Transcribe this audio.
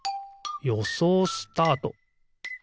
よそうスタート！